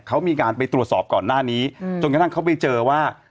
เขามีการไปตรวจสอบก่อนหน้านี้จนกระทั่งเขาไปเจอว่า